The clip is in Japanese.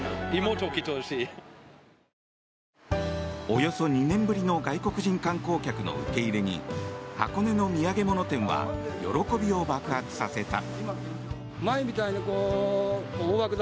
およそ２年ぶりの外国人観光客の受け入れに箱根の土産物店は喜びを爆発させた。